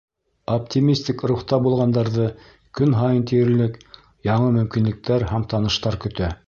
Оптимистик рухта булғандарҙы көн һайын тиерлек яңы мөмкинлектәр һәм таныштар көтә.